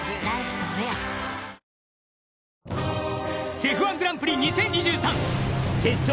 ＣＨＥＦ−１グランプリ２０２３決勝